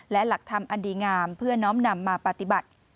และหลักธรรมอันดีงามเพื่อน้อมนำมาปฏิบัติ